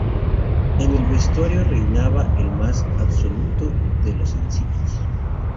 En el vestuario, reinaba el más absoluto de los silencios.